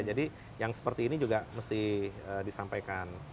jadi yang seperti ini juga mesti disampaikan